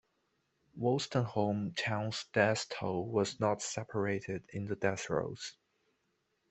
Wolstenholme Towne's death toll was not separated in the death rolls.